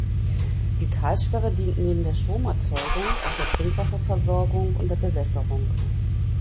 Die Talsperre dient neben der Stromerzeugung auch der Trinkwasserversorgung und der Bewässerung.